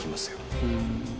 うん。